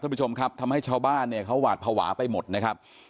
ผู้ชมครับทำให้ชาวบ้านเนี่ยเขาหวาดภาวะไปหมดนะครับ